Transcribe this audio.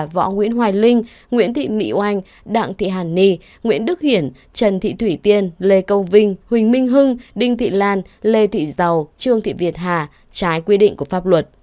võ nguyễn hoài linh nguyễn thị mỹ oanh đặng thị hàn ni nguyễn đức hiển trần thị thủy tiên lê câu vinh huỳnh minh hưng đinh thị lan lê thị giàu trương thị việt hà trái quy định của pháp luật